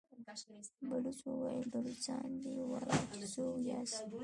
بلوڅ وويل: بلوڅان دي، وايي چې څوک ياست؟